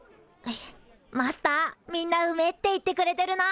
マスターみんな「うめえ」って言ってくれてるな。